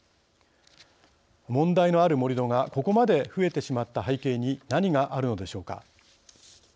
問題のある盛り土がここまで増えてしまった背景に何があるのでしょうか。